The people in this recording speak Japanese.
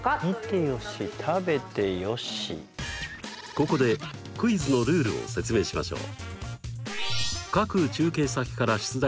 ここでクイズのルールを説明しましょう。